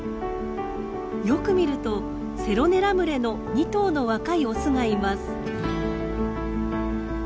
よく見るとセロネラ群れの２頭の若いオスがいます。